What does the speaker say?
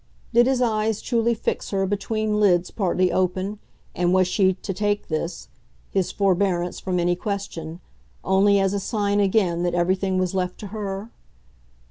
Did his eyes truly fix her between lids partly open, and was she to take this his forebearance from any question only as a sign again that everything was left to her?